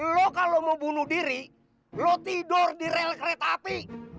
lo kalau mau bunuh diri lo tidur di rel kereta api